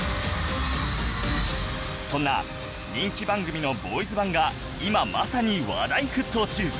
そんな人気番組のボーイズ版が今まさに話題沸騰中！